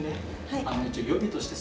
はい。